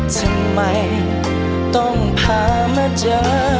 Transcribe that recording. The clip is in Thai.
ทำไมต้องพามาเจอ